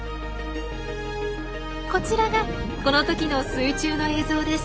こちらがこのときの水中の映像です。